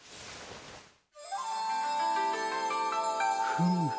フム。